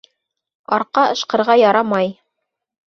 Арҡа ышҡырға ярамай.